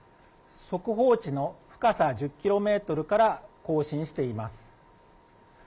速報値の深さ１０キロメートルから更新しています。